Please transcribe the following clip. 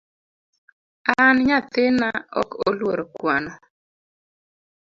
An nyathina ok oluoro kwano